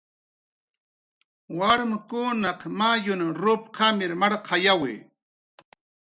warmkunaq mayun rup qamir marqayawi